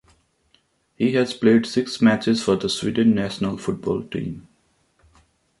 He has played six matches for the Sweden national football team.